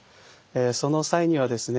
その際にはですね